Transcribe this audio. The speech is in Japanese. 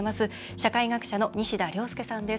社会学者の西田亮介さんです。